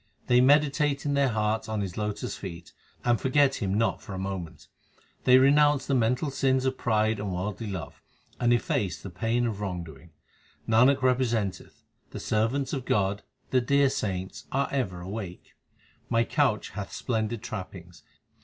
They meditate in their hearts on His lotus feet, and forget Him not for a moment. They renounce the mental sins of pride and worldly love, and efface the pain of wrong doing. Nanak representeth, the servants of God, the dear saints are ever awake. My couch hath splendid trappings.